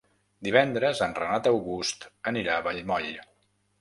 Divendres en Renat August anirà a Vallmoll.